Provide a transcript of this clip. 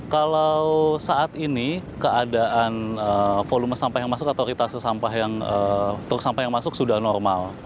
kalau saat ini keadaan volume sampah yang masuk atau ritase sampah yang truk sampah yang masuk sudah normal